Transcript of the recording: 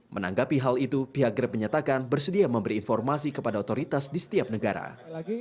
menanggapi hal itu pihak grab menyatakan bersedia memberi informasi kepada otoritas di setiap negara